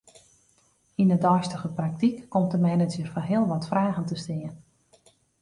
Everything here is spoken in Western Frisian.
Yn 'e deistige praktyk komt de manager foar heel wat fragen te stean.